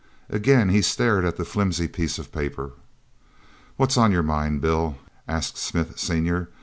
Again he stared at the flimsy piece of paper. "What's on your mind, Bill?" asked Smith senior.